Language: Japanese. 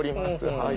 はい。